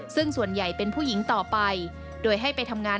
ซึ่งส่วนใหญ่เป็นผู้หญิงต่อไป